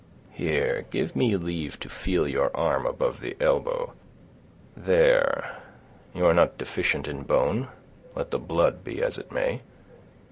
"Here, give me leave to feel your arm above the elbow. There—you are not deficient in bone, let the blood be as it may."